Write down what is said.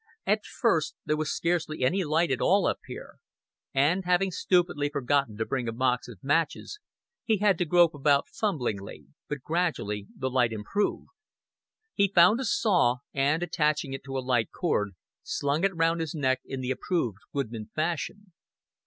At first there was scarcely any light at all up here, and, having stupidly forgotten to bring a box of matches, he had to grope about fumblingly; but gradually the light improved. He found a saw, and, attaching it to a light cord, slung it round his neck in the approved woodman fashion.